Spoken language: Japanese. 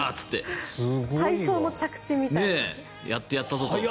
体操の着地みたいな。